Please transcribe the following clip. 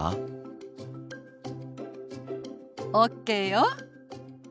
ＯＫよ。